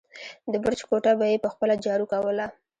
د برج کوټه به يې په خپله جارو کوله.